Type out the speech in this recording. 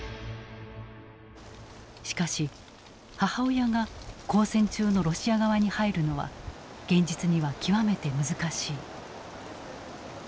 しかし母親が交戦中のロシア側に入るのは現実には極めて難しい。